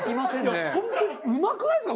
いや本当にうまくないですか？